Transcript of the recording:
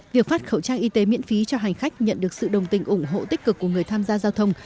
việc phát khẩu trang y tế miễn phí cho hành khách nhận được sự đồng tình ủng hộ tích cực của người tham gia giao thông